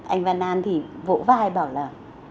anh vân đan thì vỗ vai bảo là